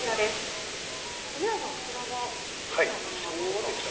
冨永さん、こちらはどんなものでしょうか。